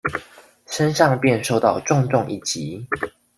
身上便受到重重一擊